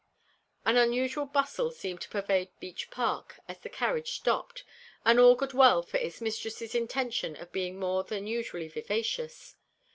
An unusual bustle seemed to pervade Beech Park as the carriage stopped, and augured well for its mistress's intention of being more than usually vivacious.